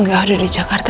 nggak ada di jakarta